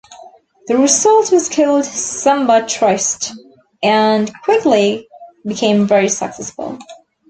The result was called "Samba Triste" and quickly became very successful.